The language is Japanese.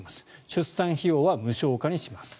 出産費用は無償化にします。